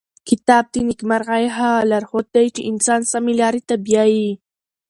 کتاب د نېکمرغۍ هغه لارښود دی چې انسان سمې لارې ته بیايي.